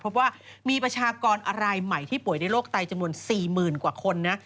พบว่ามีประชากรอะไรใหม่ที่ป่วยในโรคไตจำนวน๔๐๐๐กว่าคนนะ